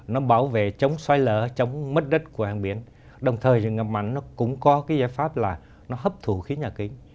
nó bảo vệ chống xoay lở chống mất đất của hàng biển đồng thời rừng ngập mặn nó cũng có cái giải pháp là nó hấp thủ khí nhà kính